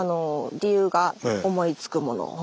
理由が思いつくもの